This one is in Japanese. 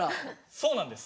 そうなんです。